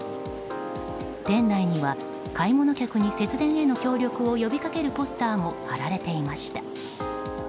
店内には買い物客に節電への協力を呼びかけるポスターも貼られていました。